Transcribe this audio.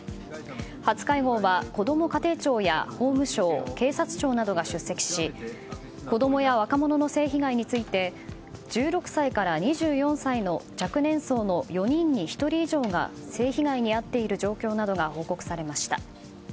初会合はこども家庭庁や法務省警察庁などが出席し子供や若者の性被害について１６歳から２４歳の若年層の４人に１人以上が性被害に遭っている状況などが報告されました。